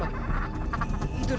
jangan mereka cari